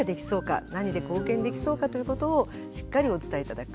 何で貢献できそうかということをしっかりお伝え頂く。